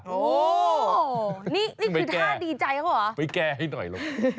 โอ้นี่คือท่าดีใจเขาเหรอ